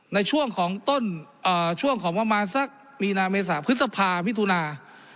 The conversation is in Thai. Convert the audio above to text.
ในช่วงของต้นช่วงของประมาณสักมีนาเมษาพฤษภามิถุนา